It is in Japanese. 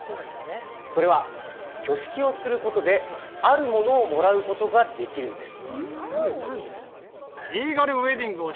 それは挙式をする事であるものをもらう事ができるんです。